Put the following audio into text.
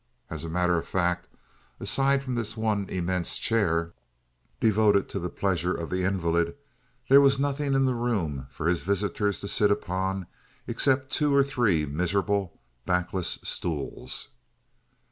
As a matter of fact, aside from this one immense chair, devoted to the pleasure of the invalid, there was nothing in the room for his visitors to sit upon except two or three miserable backless stools.